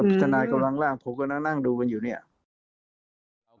พิจารณากับหลังผมก็นั่งดูมันอยู่เนี่ย